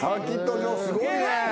すごいね。